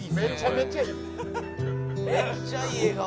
「めっちゃいい笑顔」